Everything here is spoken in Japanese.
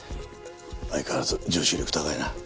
相変わらず女子力高いな。